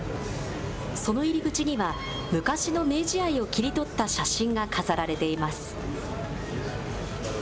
その入り口には、昔の名試合を切り取った写真が飾られています。